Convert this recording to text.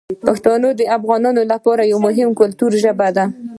پښتو د افغانانو لپاره یوه مهمه ټولنیزه ژبه ده.